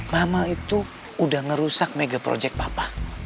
mama itu udah ngerusak mega project papa